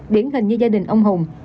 điển hình như gia đình ông hùng